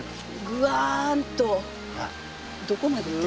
ぐわんとどこまで行ってる？